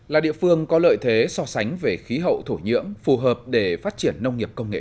là địa phương có lợi thế so sánh về khí hậu thổ nhưỡng phù hợp để phát triển nông nghiệp công nghệ